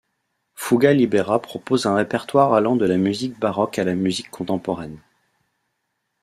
Fuga Libera propose un répertoire allant de la musique baroque à la musique contemporaine.